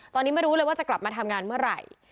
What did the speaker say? ตอนนี้ไม่รู้เลยว่าจะกลับมาทำงานเมื่อไหร่